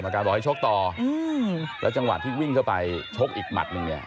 การบอกให้ชกต่ออืมแล้วจังหวะที่วิ่งเข้าไปชกอีกหมัดหนึ่งเนี่ย